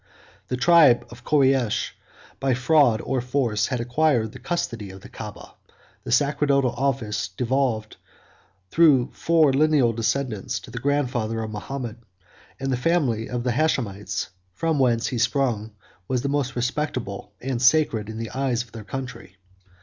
The tribe of Koreish, by fraud and force, had acquired the custody of the Caaba: the sacerdotal office devolved through four lineal descents to the grandfather of Mahomet; and the family of the Hashemites, from whence he sprung, was the most respectable and sacred in the eyes of their country.